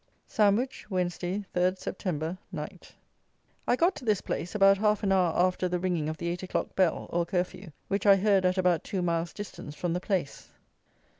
Sandwich, Wednesday, 3rd Sept. Night. I got to this place about half an hour after the ringing of the eight o'clock bell, or Curfew, which I heard at about two miles' distance from the place.